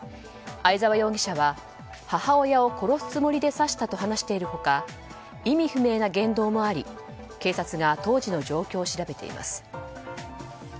相沢容疑者は母親を殺すつもりで刺したと話している他意味不明な言動もあり警察が当時の状況を調べています。